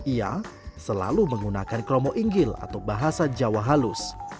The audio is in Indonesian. ia selalu menggunakan kromoinggil atau bahasa jawa halus